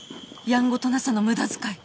やんごとなさの無駄遣い！